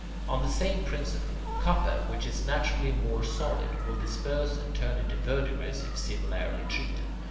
On the same principle, copper, which is naturally more solid, will disperse and turn into verdigris if similarly treated.